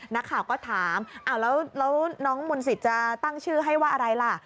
นักข่าวก็ถามแล้วน้องมนต์สิทธิ์จะตั้งชื่อให้ว่าอะไรล่ะ